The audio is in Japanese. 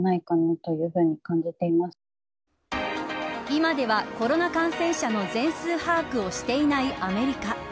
今ではコロナ感染者の全数把握をしていないアメリカ。